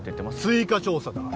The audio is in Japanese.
追加調査だ。